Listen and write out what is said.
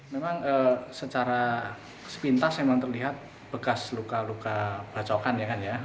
memang secara sepintas memang terlihat bekas luka luka bacokan ya kan ya